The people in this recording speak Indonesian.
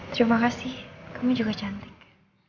terima kasih kami juga cantik